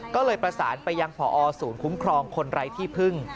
ก็เลยประสานไปยังพอศูนย์คุ้มครองคนไร้ที่พึ่ง